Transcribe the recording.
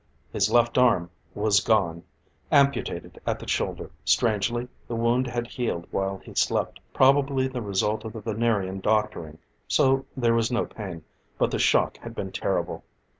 His left arm was gone, amputated at the shoulder. Strangely, the wound had healed while he slept, probably the result of the Venerian doctoring, so there was no pain: but the shock had been terrible.